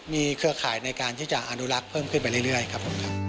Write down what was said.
มีเครือข่ายในการที่จะอนุรักษ์เพิ่มขึ้นไปเรื่อยครับผมครับ